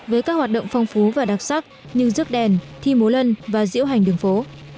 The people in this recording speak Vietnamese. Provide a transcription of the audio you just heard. với các hoạt động phong phú và đặc sắc như rước đèn thi múa lân và diễu hành đường phố